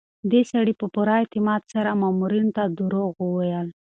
دې سړي په پوره اعتماد سره مامورینو ته دروغ وویل.